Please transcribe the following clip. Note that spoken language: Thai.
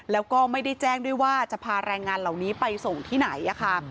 แล้วก็ไม่ได้แจ้งด้วยว่าจะพาแรงงานเหล่านี้ไปส่งที่ไหนค่ะ